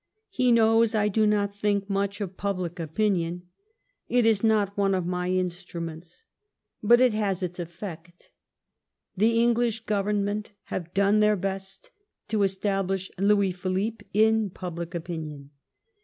He knows I do not thinlt much of public opinion, it is not one of my instruments, but it has its «£fect. The English Qovemment have done their best to establish Louis Philippe in public opinion.